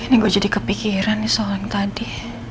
ini gue jadi kepikiran iso orang tadi